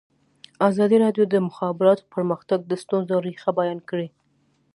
ازادي راډیو د د مخابراتو پرمختګ د ستونزو رېښه بیان کړې.